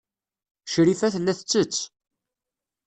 Crifa tella tettett.